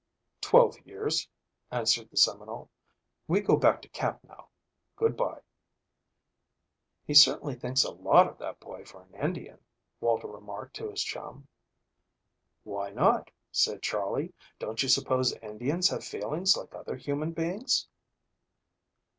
"Twelve years," answered the Seminole. "We go back to camp now. Good by." "He certainly thinks a lot of that boy for an Indian," Walter remarked to his chum. "Why not?" said Charley. "Don't you suppose Indians have feelings like other human beings?"